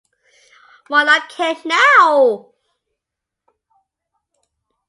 Why not camp now?